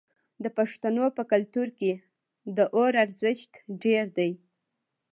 د پښتنو په کلتور کې د اور ارزښت ډیر دی.